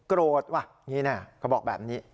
โกรธว่ะอย่างนี้นะเขาบอกแบบนี้